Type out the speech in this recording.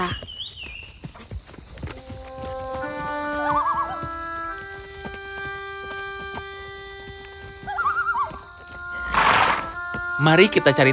mari kita cari tempat untuk berangkat